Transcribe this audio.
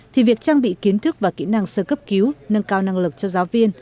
thì việc trang bị kiến thức và kỹ năng sơ cấp cứu nâng cao năng lực cho giáo viên